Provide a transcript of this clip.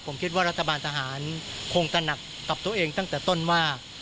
ผมคิดว่ารัฐบาลทหารคงตระหนักกับตัวเองตั้งแต่ต้นว่า